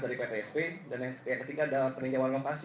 jadi tidak ada sama sekali